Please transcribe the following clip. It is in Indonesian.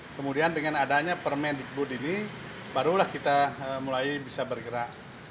kemudian dengan adanya permendikbud ini barulah kita mulai bisa bergerak